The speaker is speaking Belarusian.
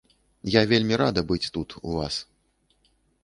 Я вельмі рада быць тут, у вас.